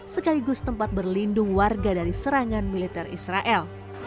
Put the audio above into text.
sekaligus tempat berlindung warga dari serangan militer israel